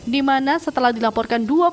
di mana setelah dilaporkan